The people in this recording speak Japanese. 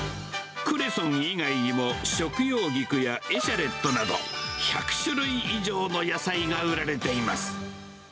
クレソン以外にも、食用菊やエシャレットなど、１００種類以上の野菜が売られています。